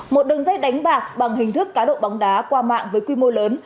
một đường dây đánh bạc bằng hình thức cá độ bóng đá qua mạng với quy mô lớn